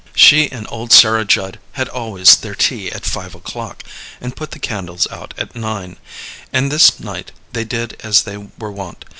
She and old Sarah Judd had always their tea at five o'clock, and put the candles out at nine, and this night they did as they were wont.